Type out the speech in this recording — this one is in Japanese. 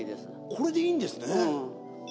これでいいんですね。